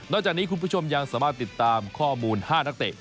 จากนี้คุณผู้ชมยังสามารถติดตามข้อมูล๕นักเตะ